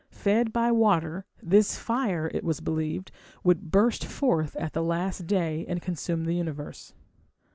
Fed by water, this fire, it was believed, would burst forth at the last day and consume the universe.